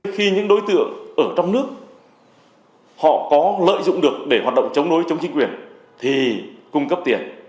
khi những đối tượng ở trong nước họ có lợi dụng được để hoạt động chống đối chống chính quyền thì cung cấp tiền